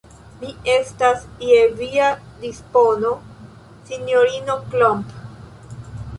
Mi estas je via dispono, sinjorino Klomp.